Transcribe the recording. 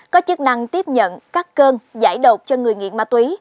có chức năng tiếp nhận cắt cơn giải độc cho người nghiện ma túy